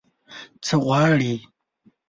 _څه غواړې؟